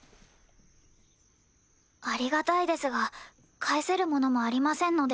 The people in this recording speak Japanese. ありがたいですが返せるものもありませんので。